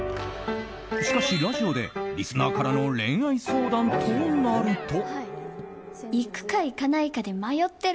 しかし、ラジオでリスナーからの恋愛相談となると。